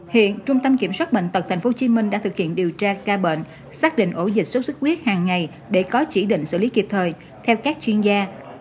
hiện trung tâm kiểm soát bệnh tật tp hcm đã thực hiện điều tra ca bệnh xác định ổ dịch sốt xuất huyết hàng ngày để có chỉ định xử lý kịp thời theo các chuyên gia